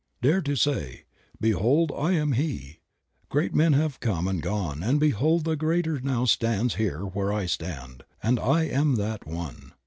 Dare to say, "Behold I am he. Great men have come and gone, and behold a greater now stands here where I stand, and I am that one."